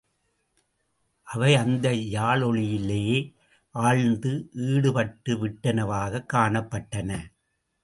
அவை அந்த யாழொலியிலே ஆழ்ந்து ஈடுபட்டுவிட்டனவாகக் காணப்பட்டன.